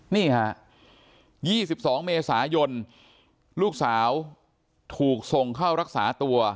นี่ฮะ๒๒เมษายนลูกสาวถูกส่งเข้ารักษาตัว